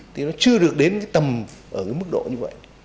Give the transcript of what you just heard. thì nó chưa được đến cái tầm ở cái mức độ như vậy